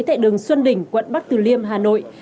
tại đường xuân đỉnh quận bắc từ liêm hà nội